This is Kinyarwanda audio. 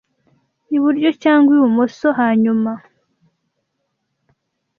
iburyo cyangwa ibumoso hanyuma